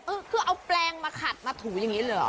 เออคือเอาแปลงมาขัดมาถูอย่างนี้เลยเหรอ